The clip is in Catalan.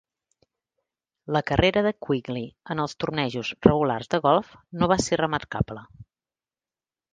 La carrera de Quigley en els tornejos regulars de golf no va ser remarcable.